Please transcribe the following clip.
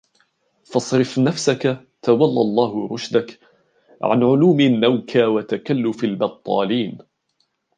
فَاصْرِفْ نَفْسَك تَوَلَّى اللَّهُ رُشْدَك عَنْ عُلُومِ النَّوْكَى وَتَكَلُّفِ الْبَطَّالِينَ